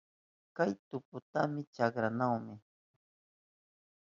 Kay tuputami chakrahuni.